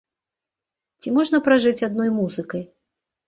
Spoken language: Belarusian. Ці можна пражыць адной музыкай?